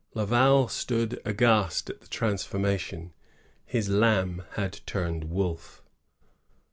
Laval stood aghast at the transformation. His lamb had turned wolf.